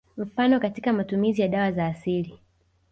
Mfano katika matumizi ya dawa za asili